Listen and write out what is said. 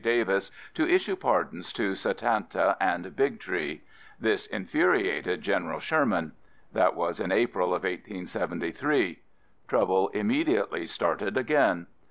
Davis to issue pardons to Satanta and Big Tree. This infuriated General Sherman. That was in April of 1873. Trouble immediately started again.